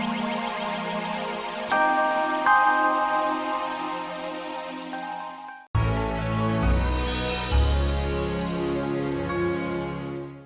apa yang kamu lakukan sama anakku dori